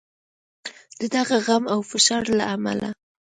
د دغه غم او فشار له امله.